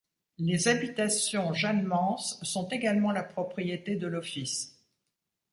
Les Habitations Jeanne-Mance sont également la propriété de l'Office.